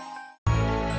tuhan sakti berdoa